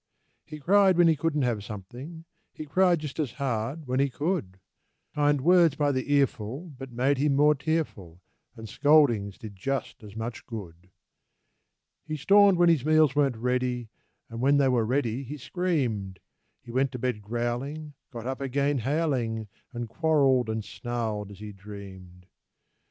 He cried when he couldn't have something; He cried just as hard when he could; Kind words by the earful but made him more tearful, And scoldings did just as much good. He stormed when his meals weren't ready, And when they were ready, he screamed. He went to bed growling, got up again howling And quarreled and snarled as he dreamed.